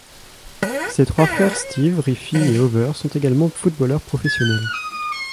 Ses trois frères Steve, Riffi et Over sont également footballeurs professionnels.